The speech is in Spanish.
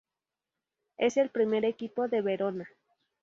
Es el primer equipo de Verona.